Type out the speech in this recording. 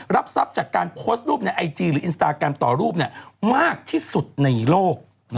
รับทรัพย์จากการโพสต์รูปในไอจีหรืออินสตาแกรมต่อรูปมากที่สุดในโลก